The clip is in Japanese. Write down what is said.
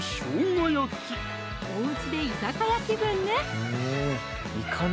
おうちで居酒屋気分ね！